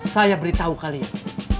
saya beritahu kalian